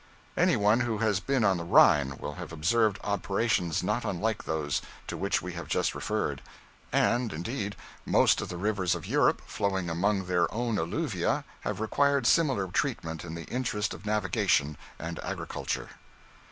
Any one who has been on the Rhine will have observed operations not unlike those to which we have just referred; and, indeed, most of the rivers of Europe flowing among their own alluvia have required similar treatment in the interest of navigation and agriculture.